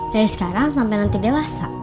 dari sekarang sampai nanti dewasa